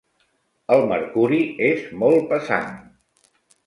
El mercuri és molt pesant.